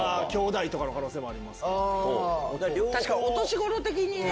確かにお年頃的にね。